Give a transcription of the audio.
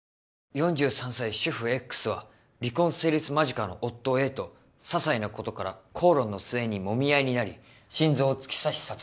４３歳主婦Ｘは離婚成立間近の夫Ａとささいなことから口論の末にもみ合いになり心臓を突き刺し殺害。